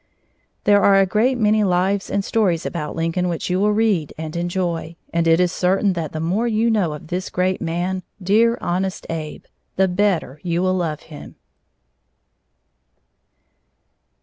There are a great many lives and stories about Lincoln which you will read and enjoy, and it is certain that the more you know of this great man, Dear "Honest Abe," the better you will love him.